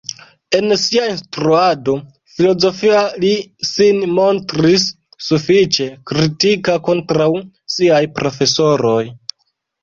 En sia instruado filozofia li sin montris sufiĉe kritika kontraŭ siaj profesoroj.